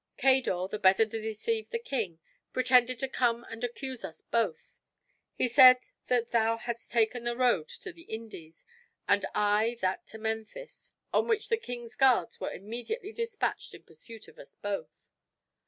Cador, the better to deceive the king, pretended to come and accuse us both. He said that thou hadst taken the road to the Indies, and I that to Memphis, on which the king's guards were immediately dispatched in pursuit of us both.